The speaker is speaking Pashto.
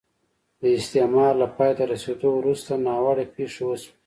د استعمار له پای ته رسېدو وروسته ناوړه پېښې وشوې.